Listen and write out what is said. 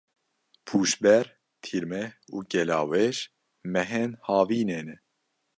Pûşber, Tîrmeh û Gelawêj mehên havînê ne.